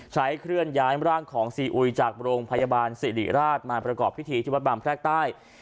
เคลื่อนย้ายร่างของซีอุยจากโรงพยาบาลสิริราชมาประกอบพิธีที่วัดบางแพรกใต้